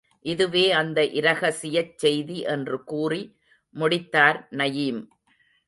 இதுவே அந்த இரகசியச் செய்தி என்று கூறி முடித்தார் நயீம்.